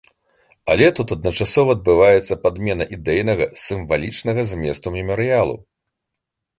Але тут адначасова адбываецца падмена ідэйнага, сімвалічнага зместу мемарыялу.